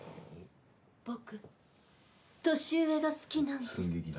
僕年上が好きなんです。